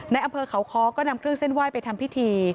อำเภอเขาค้อก็นำเครื่องเส้นไหว้ไปทำพิธี